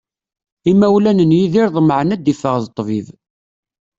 Imawlan n Yidir ḍemεen ad d-iffeɣ d ṭṭbib.